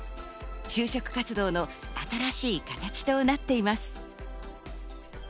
就職活動の新しい形となっています。